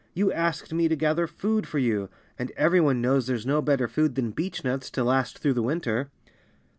"You asked me to gather food for you. And every one knows there's no better food than beechnuts to last through the winter."